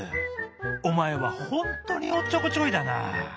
おまえはほんとにおっちょこちょいだなあ」。